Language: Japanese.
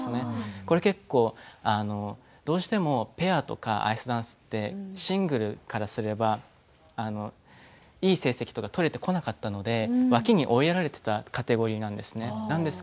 これは結構どうしてもペアとかアイスダンスはシングルからすればいい成績を取れてこなかったので脇に追いやられていたカテゴリーなんですね。